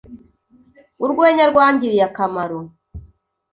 Urwenya rwangiriye akamaro.